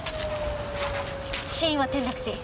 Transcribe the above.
死因は転落死。